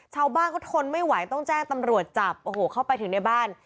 ชาวบ้านเขาทนไม่ไหวต้องแจ้งตำรวจจับโอ้โหเข้าไปถึงในบ้าน